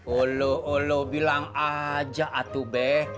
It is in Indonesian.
oloh oloh bilang aja atuh be